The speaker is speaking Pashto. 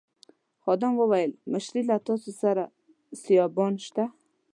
خادم وویل مشرې له تاسي سره سایبان شته.